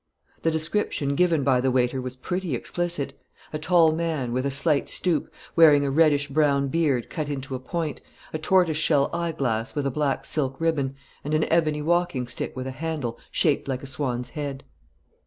The description given by the waiter was pretty explicit: a tall man, with a slight stoop, wearing a reddish brown beard cut into a point, a tortoise shell eyeglass with a black silk ribbon, and an ebony walking stick with a handle shaped like a swan's head.